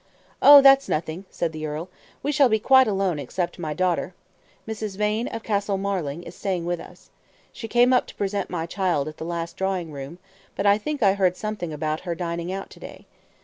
"Oh, that's nothing," said the earl; "we shall be quite alone, except my daughter. Mrs. Vane, of Castle Marling, is staying with us. She came up to present my child at the last drawing room, but I think I heard something about her dining out to day.